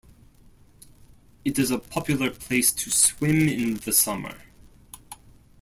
It is a popular place to swim in the summer.